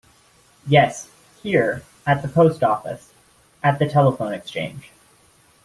Yes, here; at the post office — at the telephone exchange.